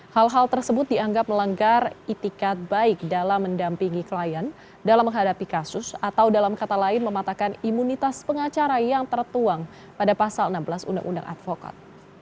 hal hal tersebut dianggap melanggar itikat baik dalam mendampingi klien dalam menghadapi kasus atau dalam kata lain mematahkan imunitas pengacara yang tertuang pada pasal enam belas undang undang advokat